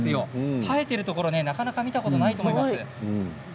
生えているところなかなか見たことないと思います。